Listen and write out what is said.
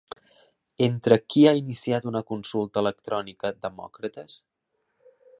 Entre qui ha iniciat una consulta electrònica Demòcrates?